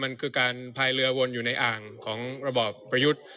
มันคือการพายเรือวนอยู่ในอ่างของระบอบประยุทธ์